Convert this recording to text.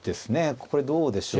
これどうでしょう。